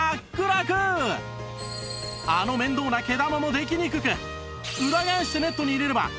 あの面倒な毛玉もできにくく裏返してネットに入れればお家で洗濯もオーケー！